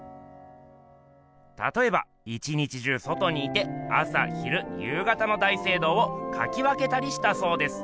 たとえば一日中外にいて朝昼夕方の大聖堂をかき分けたりしたそうです。